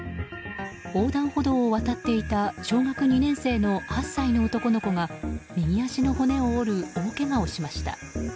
横断歩道を渡っていた小学２年生の８歳の男の子が右足の骨を折る大けがをしました。